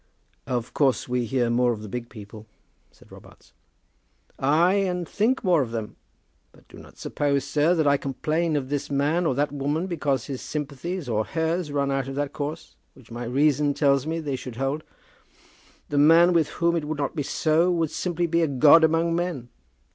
"Of course we hear more of the big people," said Robarts. "Ay; and think more of them. But do not suppose, sir, that I complain of this man or that woman because his sympathies, or hers, run out of that course which my reason tells me they should hold. The man with whom it would not be so would simply be a god among men.